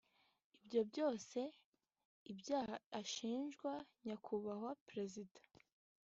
Ibyo byose (ibyaha ashinjwa) nyakubahwa Perezida